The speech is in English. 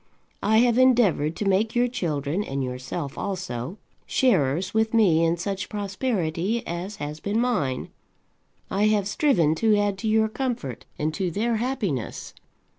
I have endeavoured to make your children, and yourself also, sharers with me in such prosperity as has been mine. I have striven to add to your comfort and to their happiness.